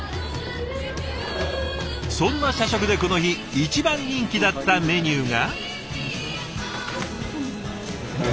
そんな社食でこの日一番人気だったメニューが。